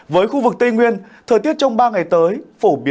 với khu vực tây nguyên thời tiết trong ba ngày tới